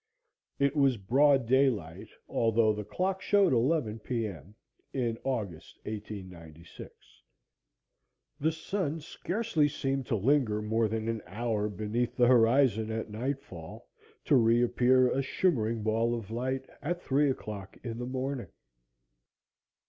It was broad daylight, although the clock showed eleven P. M., in August, 1896. The sun scarcely seemed to linger more than an hour beneath the horizon at nightfall, to re appear a shimmering ball of light at three o'clock in the morning.